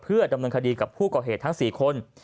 ดำเนินคดีกับผู้ก่อเหตุทั้ง๔คน